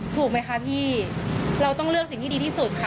ถูกไหมคะพี่เราต้องเลือกสิ่งที่ดีที่สุดค่ะ